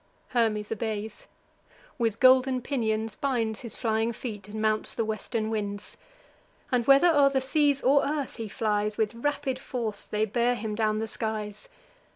Hermes obeys; with golden pinions binds His flying feet, and mounts the western winds: And, whether o'er the seas or earth he flies, With rapid force they bear him down the skies.